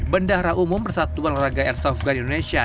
bendahara umum persatuan olahraga airsoft gun indonesia